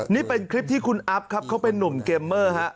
นี่เป็นคลิปที่คุณอัพครับเขาเป็นนุ่มเกมเมอร์ฮะ